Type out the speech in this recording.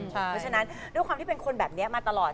เพราะฉะนั้นด้วยความที่เป็นคนแบบนี้มาตลอด